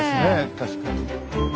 確かに。